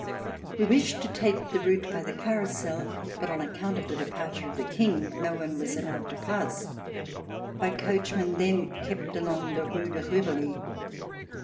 We wished to take the route by the Carrousel, but, on account of the de parture of the King, no one was allowed to pass. My coachman then kcj)t along the Rue de Rivoli.